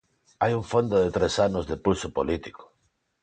Hai un fondo de tres anos de pulso político.